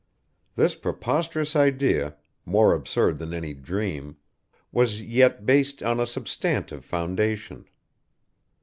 This preposterous idea, more absurd than any dream, was yet based on a substantive foundation.